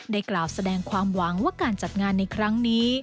กล่าวแสดงความหวังว่าการจัดงานในครั้งนี้